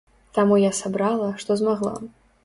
Таму я сабрала, што змагла.